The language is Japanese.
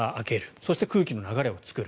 そして、空気の流れを作る。